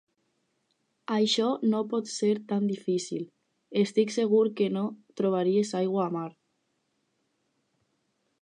Això no pot ser tan difícil! Estic segur que no trobaries aigua a mar!